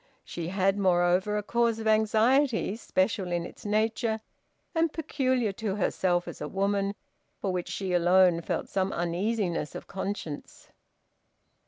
She had, moreover, a cause of anxiety special in its nature and peculiar to herself as a woman, for which she alone felt some uneasiness of conscience.